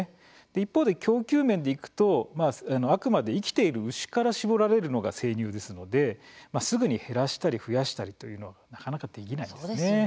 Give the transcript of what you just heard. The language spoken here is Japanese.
一方で供給面でいくとあくまで生きている牛から搾られるのが生乳ですのですぐに減らしたり増やしたりというのはなかなかできないんですね。